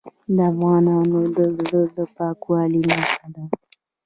د افغانانو د زړه پاکوالي نښه ده.